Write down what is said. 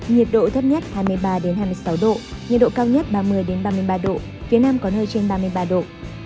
nhiệt độ thấp nhất hai mươi ba hai mươi sáu độ nhiệt độ cao nhất ba mươi ba mươi ba độ phía nam có nơi trên ba mươi ba độ